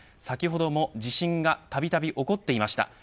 先ほども地震がたびたび起こっていました。